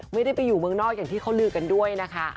ไม่ได้ไปอยู่เมืองนอกอย่างที่เขาลือกันด้วยนะคะ